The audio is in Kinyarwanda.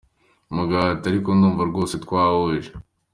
Umugabo ati "ariko ndumva rwose twahuje.